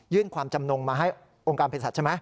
ความจำนงมาให้องค์การเพศสัตว์ใช่ไหม